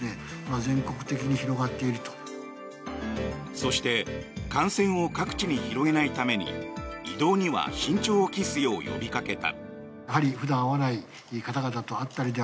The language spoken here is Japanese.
そして感染を各地に広げないために移動には慎重を期すよう呼びかけた。